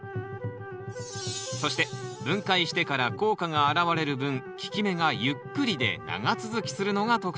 そして分解してから効果が表れる分効き目がゆっくりで長続きするのが特徴。